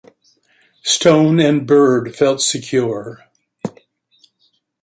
Stone and Bird felt secure.